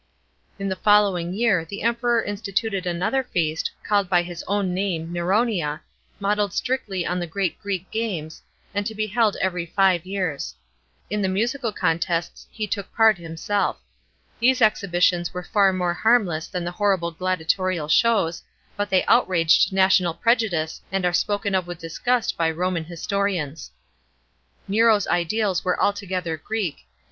In the following year, the Emperor instituted another feast, called by his own name Neronia, modelled strictly on the great Greek games, and to be held every fi>e years. In the musical contests he took part himself. These exhibitions were far more harmless than the horrible gladia torial shows, but they outraged national prejudice and are spoken of with disgust by Roman historians. Nero's ideals were altogether Greek, and i.